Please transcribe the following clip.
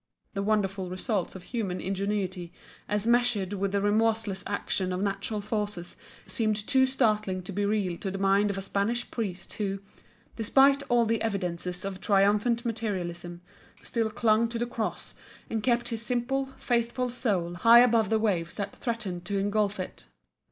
The wonderful result of human ingenuity as measured with the remorseless action of natural forces seemed too startling to be real to the mind of a Spanish priest who, despite all the evidences of triumphant materialism, still clung to the Cross and kept his simple, faithful soul high above the waves that threatened to engulf it.